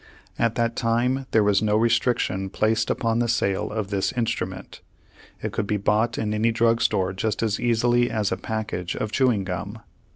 At that time there was no restriction placed upon the sale of this instrument; it could be bought in any drug store just as easily as a package of chewing gum.